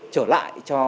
trở lại cho